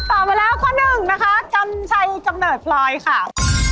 มาแล้วข้อหนึ่งนะคะกัญชัยกำเนิดพลอยค่ะ